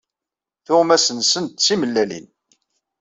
Tuɣmas-nsen d timellalin.